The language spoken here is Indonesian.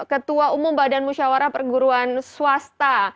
ketua umum badan musyawarah perguruan swasta